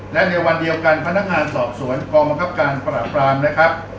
และในวันเดียวกันพนักงานสอบสวนกองบังคับการปราบรามนะครับ